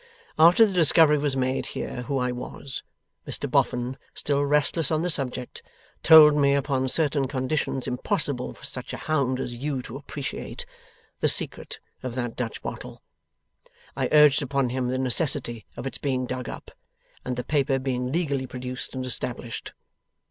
After the discovery was made here who I was, Mr Boffin, still restless on the subject, told me, upon certain conditions impossible for such a hound as you to appreciate, the secret of that Dutch bottle. I urged upon him the necessity of its being dug up, and the paper being legally produced and established.